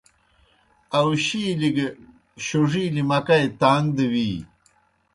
آؤشِیلیْ گہ شوڙِیلیْ مکئی تاݩگ دہ وِیی۔